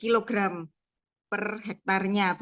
kilo gram per hektarnya